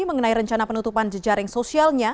mengenai rencana penutupan jejaring sosialnya